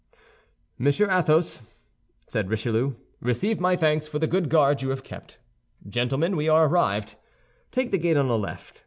"Monsieur Athos," said Richelieu, "receive my thanks for the good guard you have kept. Gentlemen, we are arrived; take the gate on the left.